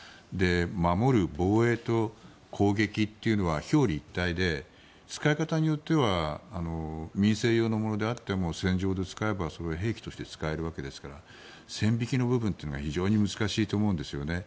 守る防衛と攻撃というのは表裏一体で使い方によっては民生用のものであっても戦場で使えば兵器として使えるわけですから線引きの部分が非常に難しいと思うんですよね。